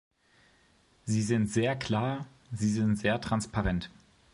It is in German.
Sie sind sehr klar, sie sind sehr transparent.